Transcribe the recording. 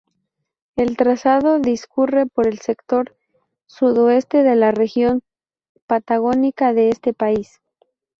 El trazado discurre por el sector sudoeste de la región patagónica de este país.